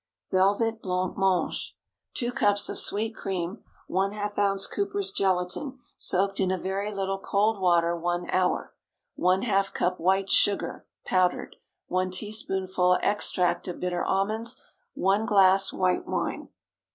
VELVET BLANC MANGE. ✠ 2 cups of sweet cream. ½ oz. Cooper's gelatine, soaked in a very little cold water one hour. ½ cup white sugar (powdered.) 1 teaspoonful extract of bitter almonds. 1 glass white wine.